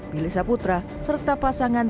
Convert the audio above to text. pilih saputra serta pasangan